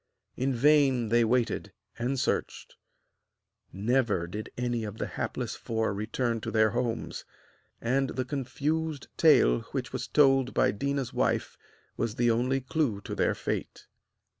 In vain they waited, and searched never did any of the hapless four return to their homes; and the confused tale which was told by Déna's wife was the only clue to their fate.